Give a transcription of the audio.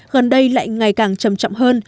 gần đây lại ngày càng chậm chậm hơn